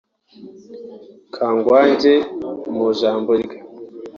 Kangwagye mu ijambo rye